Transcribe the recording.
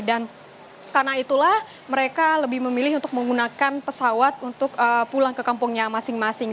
dan karena itulah mereka lebih memilih untuk menggunakan pesawat untuk pulang ke kampungnya masing masing